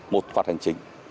một phạt hành trình